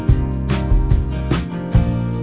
ไม่ไม่รู้ทันหรือเปล่า